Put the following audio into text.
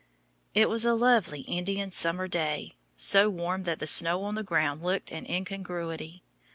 It was a lovely Indian summer day, so warm that the snow on the ground looked an incongruity.